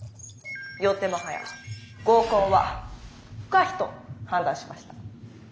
よってもはや合コンは不可避と判断しました。